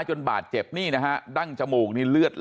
แล้วป้าไปติดหัวมันเมื่อกี้แล้วป้าไปติดหัวมันเมื่อกี้